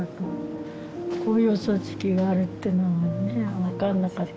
こういうお葬式があるっていうのはね分かんなかった。